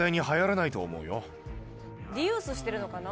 リユースしてるのかな？